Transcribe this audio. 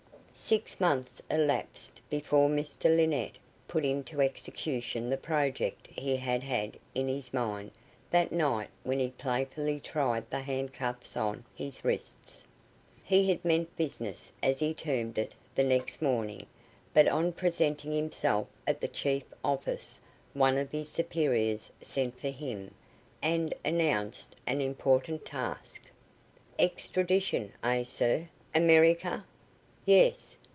Six months elapsed before Mr Linnett put into execution the project he had had in his mind that night when he playfully tried the handcuffs on his wrists. He had meant business, as he termed it, the next morning, but on presenting himself at the chief office, one of his superiors sent for him, and announced an important task. "Extradition, eh, sir? America?" "Yes.